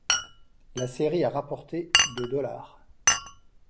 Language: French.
La série a rapporté de dollars.